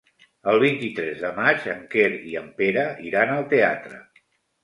El vint-i-tres de maig en Quer i en Pere iran al teatre.